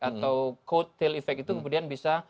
atau codetail effect itu kemudian bisa